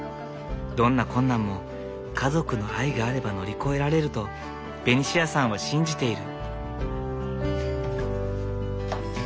どんな困難も家族の愛があれば乗り越えられるとベニシアさんは信じている。